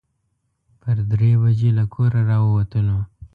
پر درې بجې له کوره راووتلو.